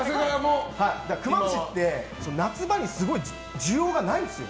クマムシって、夏場にすごい需要がないんですよ。